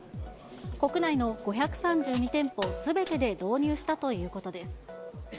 国内の５３２店舗すべてで導入したということです。